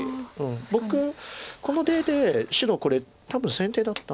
僕この手で白これ多分先手だった。